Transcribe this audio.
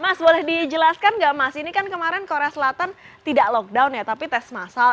mas boleh dijelaskan nggak mas ini kan kemarin korea selatan tidak lockdown ya tapi tes masal